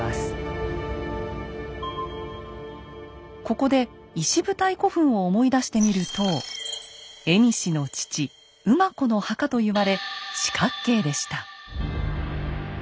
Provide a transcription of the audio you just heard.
ここで石舞台古墳を思い出してみると蝦夷の父・馬子の墓と言われ四角形でした。